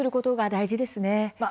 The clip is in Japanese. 大事ですね。